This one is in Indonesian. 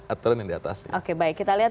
aturan yang diatasnya oke baik kita lihat